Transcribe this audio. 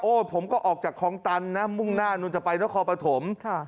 ผมก็ออกจากคลองตันนะมุ่งหน้านู่นจะไปนครปฐม